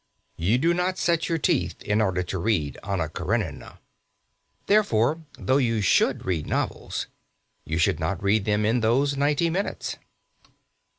You do not set your teeth in order to read "Anna Karenina." Therefore, though you should read novels, you should not read them in those ninety minutes.